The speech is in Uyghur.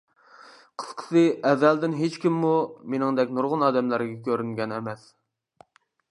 قىسقىسى ئەزەلدىن ھېچكىممۇ، مېنىڭدەك نۇرغۇن ئادەملەرگە كۆرۈنگەن ئەمەس.